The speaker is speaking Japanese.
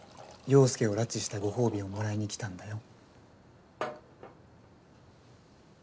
陽佑を拉致したご褒美をもらいに来たんだよ。